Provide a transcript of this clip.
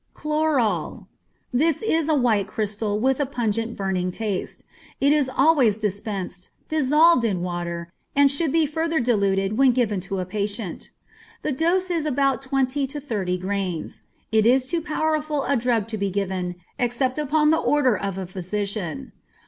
Chloral. This is a white crystal, with a pungent, burning taste. It is always dispensed, dissolved in water, and should be further diluted when given to a patient. The dose is from ten to thirty grains. It is too powerful a drug to be given, except upon the order of a physician.